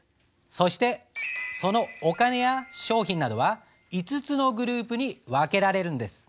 そしてそのお金や商品などは５つのグループに分けられるんです。